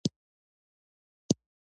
مچوي مو جاهلان پښې او لاسونه